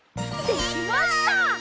できました！